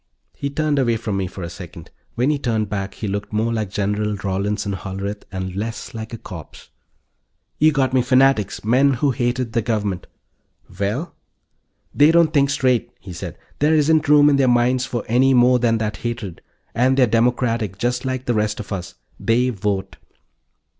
He turned away from me for a second. When he turned back he looked more like General Rawlinson Hollerith, and less like a corpse. "You got me fanatics, men who hated the Government." "Well?" "They don't think straight," he said. "There isn't room in their minds for any more than that hatred. And they're democratic, just like the rest of us. They vote."